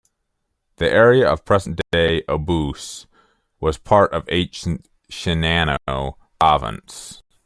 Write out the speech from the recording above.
The area of present-day Obuse was part of ancient Shinano Province.